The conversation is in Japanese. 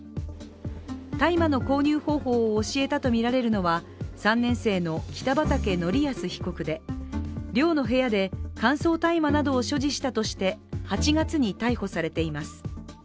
大麻の購入方法を教えたとみられるのは、３年生の北畠成文被告で寮の部屋で乾燥大麻などを所持したとして８月に逮捕されています。